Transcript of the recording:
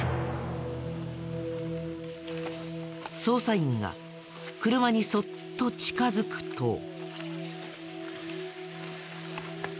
捜査員が車にそっと近づくと。